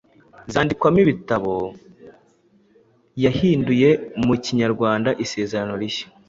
zandikwamo ibitabo. Yahinduye mu Kinyarwanda Isezerano rishya